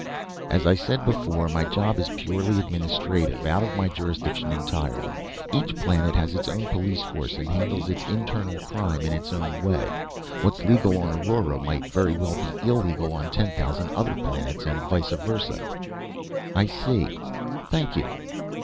"As I said before, my job is purely administrative. Out of my jurisdiction entirely. Each planet has its own police force and handles its internal crime in its own way. What's legal on Aurora might very well be illegal on ten thousand other planets, and vice versa." "I see. Thank you."